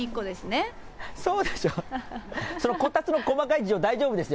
そうでしょ、こたつの細かい事情、大丈夫ですよ。